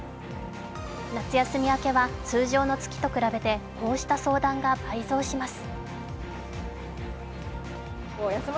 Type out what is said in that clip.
夏休み明けは通常の月と比べて、こうした相談が倍増します。